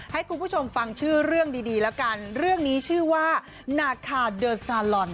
ให้คุณผู้ชมฟังชื่อเรื่องดีดีแล้วกันเรื่องนี้ชื่อว่านาคาเดอร์ซาลอน